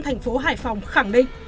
thành phố hải phòng khẳng định